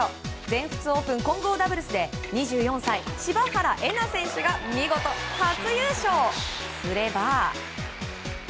全仏オープン混合ダブルスで２４歳、柴原瑛菜選手が見事、初優勝すれば。